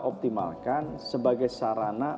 optimalkan sebagai sarana